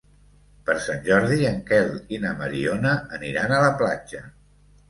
Per Sant Jordi en Quel i na Mariona aniran a la platja.